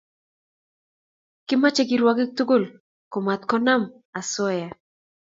Kimache kirwakik tugul komatkonamosoya